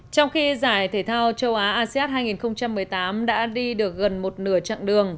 trong khi giải thể thao châu á asean hai nghìn một mươi tám đã đi được gần một nửa chặng đường